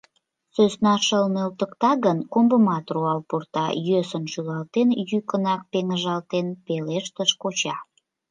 Сӧсна шыл нӧлтыкта гын, комбымат руал пурта, — йӧсын шӱлалтен, йӱкынак пеҥыжалтен пелештыш коча.